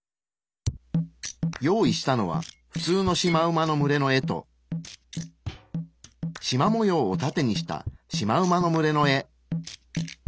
用意したのは普通のシマウマの群れの絵としま模様をタテにしたシマウマの群れの絵。